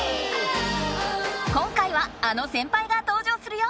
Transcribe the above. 今回はあの先輩が登場するよ！